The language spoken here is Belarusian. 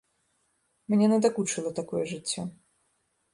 Мне надакучыла такое жыццё.